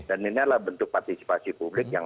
dan ini adalah bentuk partisipasi publik yang